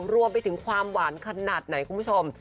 รวมไปถึงความหวานขนาดไหนคุณผู้ชม